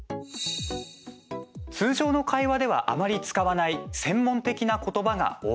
通常の会話では、あまり使わない専門的な言葉が多い。